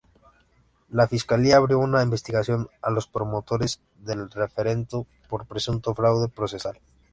La Fiscalía abrió una investigación a los promotores del referendo por presunto fraude procesal.